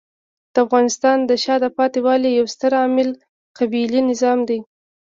د افغانستان د شاته پاتې والي یو ستر عامل قبیلې نظام دی.